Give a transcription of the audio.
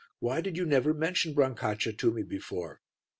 Why did you never mention Brancaccia to me before?"